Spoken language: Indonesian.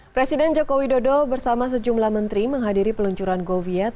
presiden joko widodo bersama sejumlah menteri menghadiri peluncuran goviet